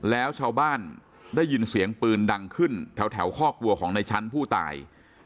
แล้วชาวบ้านได้ยินเสียงปืนดังขึ้นแถวคอกวัวของในชั้นผู้ตาย